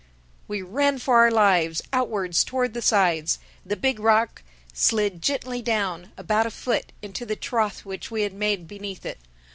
We ran for our lives, outwards, toward the sides. The big rock slid gently down, about a foot, into the trough which we had made beneath it.